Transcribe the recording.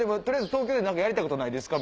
「東京でやりたいことないですか？」